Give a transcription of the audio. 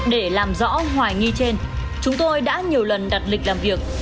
để làm rõ hoài nghi trên chúng tôi đã nhiều lần đặt lịch làm việc